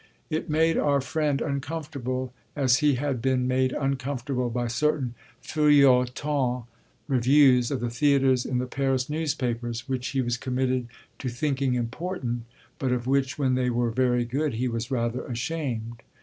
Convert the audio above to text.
It made our friend uncomfortable, as he had been made uncomfortable by certain feuilletons, reviews of the theatres in the Paris newspapers, which he was committed to thinking important but of which, when they were very good, he was rather ashamed.